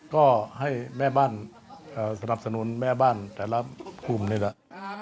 ก็ให้แม่บ้านสนับสนุนแม่บ้านแต่ละกลุ่มนี่แหละ